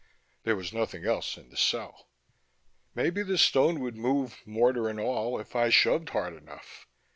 There was nothing else in the cell. Maybe the stone would move, mortar and all, if I shoved hard enough.